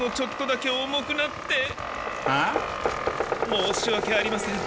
申しわけありません。